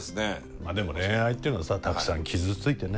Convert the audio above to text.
まあでも恋愛っていうのはさたくさん傷ついてね